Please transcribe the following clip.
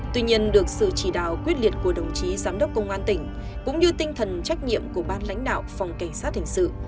tuy nhiên được sự chỉ đạo quyết liệt của đồng chí giám đốc công an tỉnh cũng như tinh thần trách nhiệm của ban lãnh đạo phòng cảnh sát hình sự